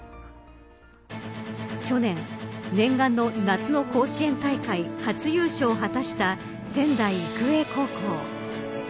去年、念願の夏の甲子園大会初優勝を果たした仙台育英高校。